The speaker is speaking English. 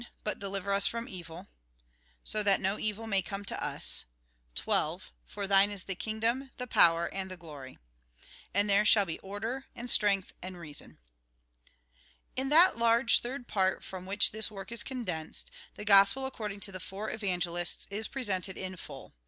But deliver us from evil, So that no evil may come to us, 12. For Thine is the kingdom. And there shall be order, and the power, and the glory. strength, and reason. AUTHOR'S PREFACE 5 In that large third part from which this work is condensed, the Gospel according to the four Evangelists is presented in full.